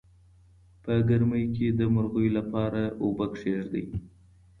په ګرمۍ کې د مرغیو لپاره اوبه کیږدئ.